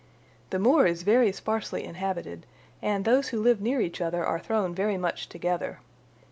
"The moor is very sparsely inhabited, and those who live near each other are thrown very much together.